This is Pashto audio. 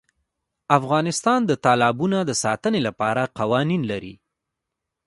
افغانستان د تالابونه د ساتنې لپاره قوانین لري.